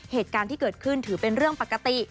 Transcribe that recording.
เหตุการณ์ที่เกิดขึ้นถือเป็นเรื่องปกติ